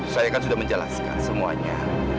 saya kan sudah menjelaskan semuanya